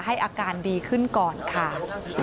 อาการดีขึ้นก่อนค่ะ